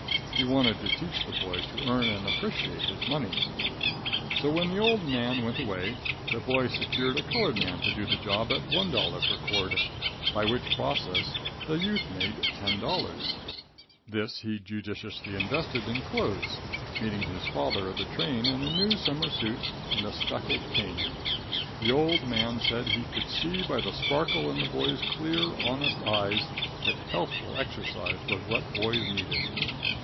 He wanted to teach the boy to earn and appreciate his money. So, when the old man went away, the boy secured a colored man to do the job at $1 per cord, by which process the youth made $10. This he judiciously invested in clothes, meeting his father at the train in a new summer suit and a speckled cane. The old man said he could see by the sparkle in the boy's clear, honest eyes, that healthful exercise was what boys needed.